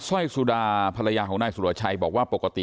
ร้อยสุดาภรรยาของนายสุรชัยบอกว่าปกติ